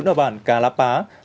vào bản cà lạp